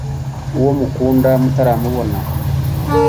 uwo mumukunda mutaramubona